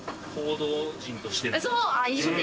そう！